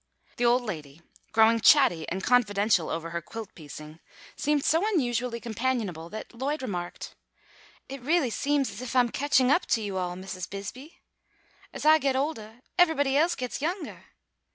The old lady, growing chatty and confidential over her quilt piecing, seemed so unusually companionable, that Lloyd remarked: "It really seems as if I'm catching up to you all, Mrs. Bisbee. As I get oldah everybody else gets youngah.